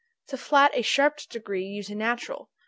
To flat a sharped degree, use a natural.